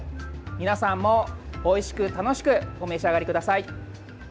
皆さんも、おいしく楽しくお召し上がりください。